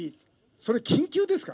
それ緊急ですか？